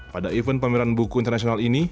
pada event pameran buku internasional ini